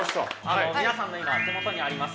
皆さんの今手元にあります